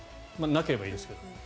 なければいいですけど。